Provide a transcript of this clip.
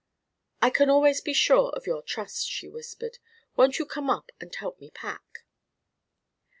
"I can always be sure of your trust," she whispered. "Won't you come up and help me pack?"